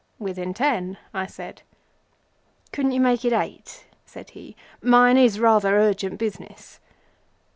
"Within ten," I said. "Can't you make it eight?" said he. "Mine is rather urgent business."